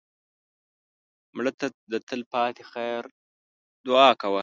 مړه ته د تل پاتې خیر دعا کوه